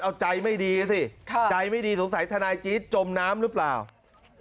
เอาใจไม่ดีสิใจไม่ดีสงสัยทนายจี๊ดจมน้ำหรือเปล่า